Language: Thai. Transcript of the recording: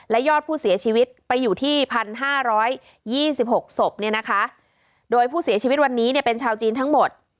และยอดผู้เสียชีวิตไปอยู่ที่๑๕๒๖ศพเนี่ยนะคะโดยผู้เสียชีวิตวันนี้เนี่ยเป็นชาวจีนทั้งหมด